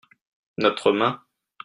notre main.